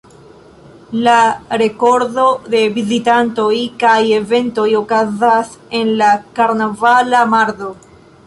La rekordo de vizitantoj kaj eventoj okazas en la karnavala mardo.